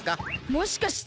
もしかして。